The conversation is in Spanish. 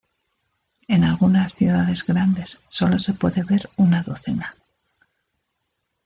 En algunas ciudades grandes solo se puede ver una docena.